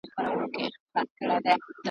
پرېږده چي تور مولوي .